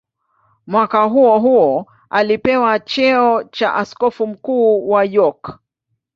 Mwaka huohuo alipewa cheo cha askofu mkuu wa York.